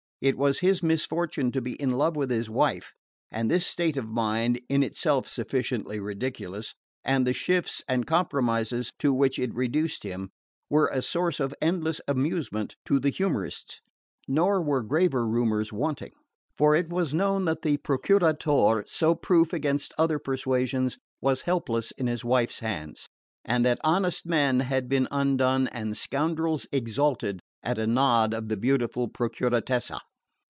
It was his misfortune to be in love with his wife; and this state of mind (in itself sufficiently ridiculous) and the shifts and compromises to which it reduced him, were a source of endless amusement to the humorists. Nor were graver rumours wanting; for it was known that the Procuratore, so proof against other persuasions, was helpless in his wife's hands, and that honest men had been undone and scoundrels exalted at a nod of the beautiful Procuratessa.